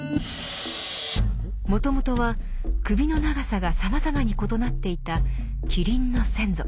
もともとは首の長さがさまざまに異なっていたキリンの先祖。